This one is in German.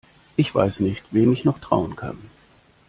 Ich weiß nicht, wem ich noch trauen kann.